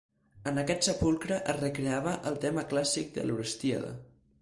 En aquest sepulcre es recreava el tema clàssic de l'Orestíada.